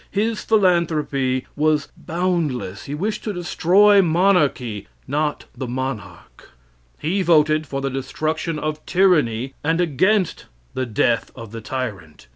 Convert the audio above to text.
His philanthropy was boundless. He wished to destroy monarchy not the monarch. He voted for the destruction of tyranny, and against the death of the tyrant.